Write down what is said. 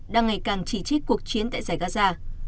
đang ngày càng chỉ trích cuộc chiến tại giải gaza